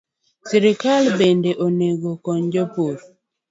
Sirkal bende onego okony jopur